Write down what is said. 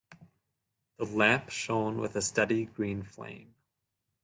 The lamp shone with a steady green flame.